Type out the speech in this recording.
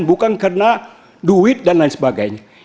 bukan karena duit dan lain sebagainya